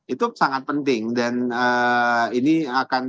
itu sangat penting dan ini akan